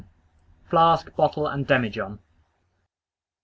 FLASK, BOTTLE, AND DEMIJOHN.